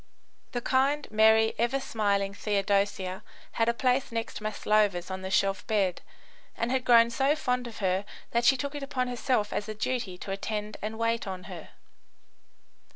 The kind, merry, ever smiling Theodosia had a place next Maslova's on the shelf bed, and had grown so fond of her that she took it upon herself as a duty to attend and wait on her.